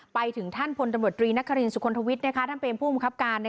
ไปถึงท่านพลตำรวจตรีนครินสุคลทวิทย์ท่านเป็นผู้บังคับการ